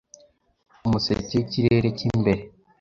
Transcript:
umuseke w'ikirere cy'imbere